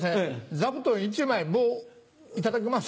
座布団１枚いただけます？